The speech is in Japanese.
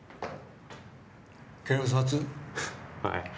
はい。